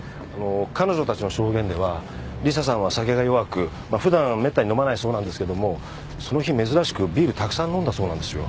彼女たちの証言ではリサさんは酒が弱く普段めったに飲まないそうなんですけどもその日珍しくビールたくさん飲んだそうなんですよ。